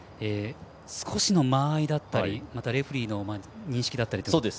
少しの間合いだったりレフリーの認識だったりが。